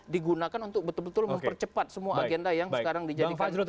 digunakan untuk betul betul mempercepat semua agenda yang sekarang dijadikan